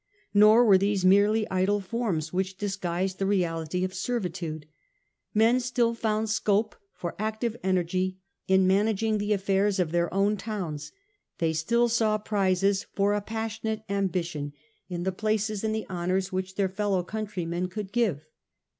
Nor were these merely idle forms which dis guised the reality of servitude. Men still found scope for active energy in managing the affairs of their own towns ; they still saw prizes for a passionate ambition in the CH. IX. Admmistrative Forms of Government. 201 places and the honours which their fellow countrymen could give.